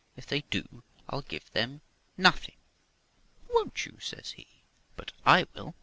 If they do, I'll give them nothing.' ' Won't you ?' says he ;' but I will.